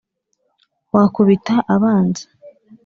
wakubita abanzi